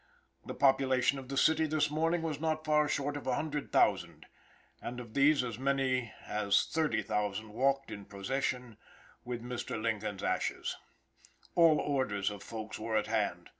The population of the city this morning was not far short of a hundred thousand, and of these as many at thirty thousand walked in procession with Mr. Lincoln's ashes. All orders of folks were at hand.